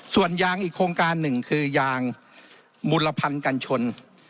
ส่วนยางอีกโครงการหนึ่งคือยางมูลรพันธ์กันชน